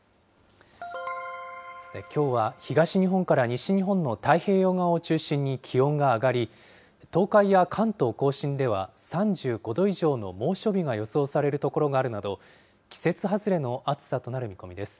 さて、きょうは東日本から西日本の太平洋側を中心に気温が上がり、東海や関東甲信では３５度以上の猛暑日が予想される所があるなど、季節外れの暑さとなる見込みです。